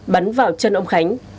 bắn vào chân ông khánh